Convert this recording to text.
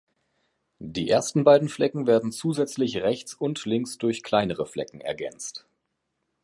Die ersten beiden Flecken werden zusätzlich rechts und links durch kleinere Flecken ergänzt.